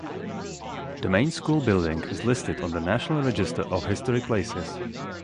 The main school building is listed on the National Register of Historic Places.